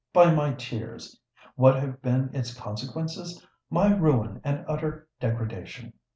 By my tears! What have been its consequences? My ruin and utter degradation!